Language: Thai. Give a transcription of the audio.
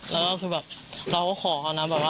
เราก็ขอเขานะ